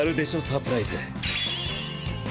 サプライズ。